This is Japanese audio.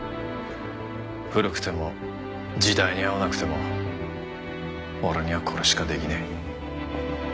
古くても時代に合わなくても俺にはこれしかできねえ。